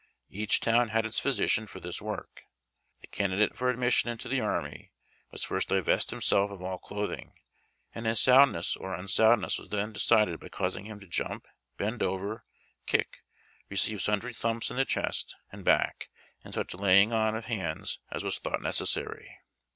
Each town had its physician for this work. The candidate for admission into the army must first divest himself of all clothing, and his soundness or unsoundness was then decided by causing him to jump, bend over, kick, receive sundry thumps in the chest and back, and such other laying on of hands as was thought necessary.